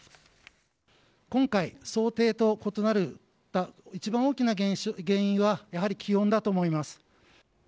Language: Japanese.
今回、想定と異なった一番大きな原因は、やはり気温だと思います。